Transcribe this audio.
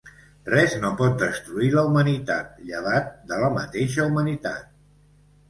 Res no pot destruir la humanitat, llevat de la mateixa humanitat.